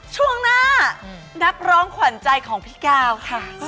ช่วงหน้านักร้องขวัญใจของพี่กาวค่ะ